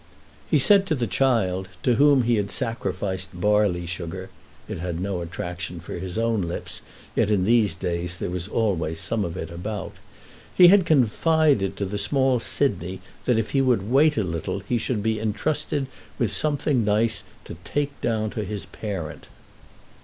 He had said to the child, to whom he had sacrificed barley sugar (it had no attraction for his own lips, yet in these days there was always some of it about), he had confided to the small Sidney that if he would wait a little he should be intrusted with something nice to take down to his parent.